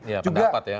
ya pendapat ya